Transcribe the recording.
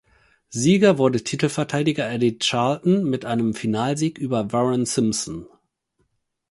Sieger wurde Titelverteidiger Eddie Charlton mit einem Finalsieg über Warren Simpson.